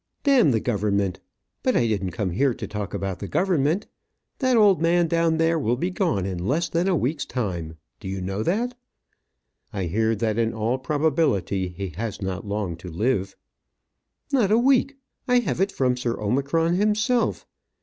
"D the Government! But I didn't come here to talk about the Government. That old man down there will be gone in less than a week's time. Do you know that?" "I hear that in all probability he has not long to live." "Not a week. I have it from Sir Omicron himself.